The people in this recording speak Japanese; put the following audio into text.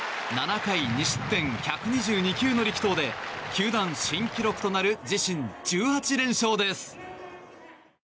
７回２失点１２２球の力投で球団新記録となる自身１８連勝です。